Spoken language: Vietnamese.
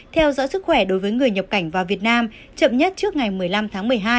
theo dõi sức khỏe đối với người nhập cảnh vào việt nam chậm nhất trước ngày một mươi năm tháng một mươi hai